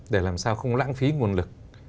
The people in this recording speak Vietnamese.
để làm sao không lãng phí nguồn lực